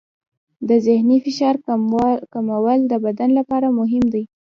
د ذهني فشار کمول د بدن لپاره مهم دي.